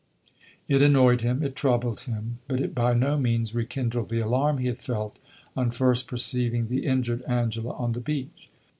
It annoyed him, it troubled him, but it by no means rekindled the alarm he had felt on first perceiving the injured Angela on the beach.